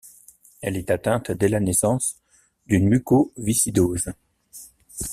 Elle est atteinte dès la naissance d'une mucoviscidose.